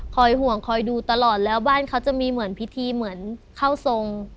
ห่วงคอยดูตลอดแล้วบ้านเขาจะมีเหมือนพิธีเหมือนเข้าทรง